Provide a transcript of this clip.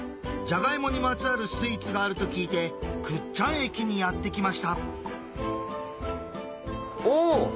じゃがいもにまつわるスイーツがあると聞いて倶知安駅にやって来ましたお！